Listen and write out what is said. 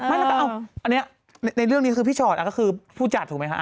ไม่แล้วก็อันนี้ในเรื่องนี้คือพี่ชอตก็คือผู้จัดถูกไหมคะ